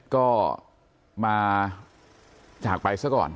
ก็มาจากไปซะก่อน